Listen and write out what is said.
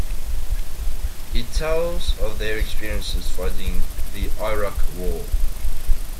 It tells of their experiences fighting in the Iraq War.